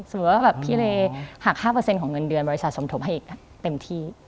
สมมุติว่าพี่เรย์หัก๕ของเงินเดือนบริษัทสมทบให้อีกเต็มที่